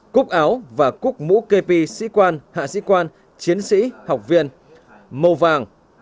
cúc áo và cúc mũ kê pi sĩ quan hạ sĩ quan chiến sĩ học viên màu vàng